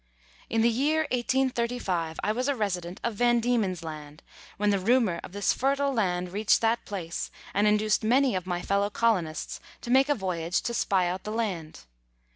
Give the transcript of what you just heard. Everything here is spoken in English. In the year 1835 I was a resident of Van Diemen's Land, when the rumour of this fertile land reached that place, and induced many of ray fellow colonists to make a voyage to spy out the land.